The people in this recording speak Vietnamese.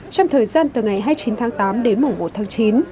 trong thời gian từ ngày hai mươi chín tháng tám đến mổng một tháng chín